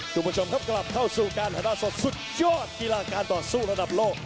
คุณผู้ชมครับกลับเข้าสู่การถ่ายทอดสดสุดยอดกีฬาการต่อสู้ระดับโลก